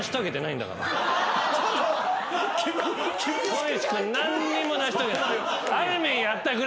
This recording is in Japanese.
小西君何にも成し遂げて。